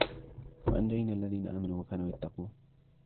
وأنجينا الذين آمنوا وكانوا يتقون